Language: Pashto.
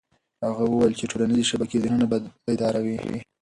هغه وویل چې ټولنيزې شبکې ذهنونه بیداروي.